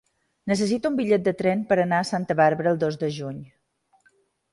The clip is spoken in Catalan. Necessito un bitllet de tren per anar a Santa Bàrbara el dos de juny.